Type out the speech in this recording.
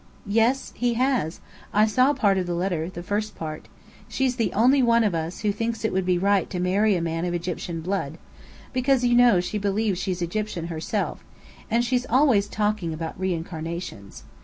"Yes. He has. I saw part of the letter the first part. She's the only one of us who thinks it would be right to marry a man of Egyptian blood, because you know she believes she's Egyptian herself and she's always talking about reincarnations.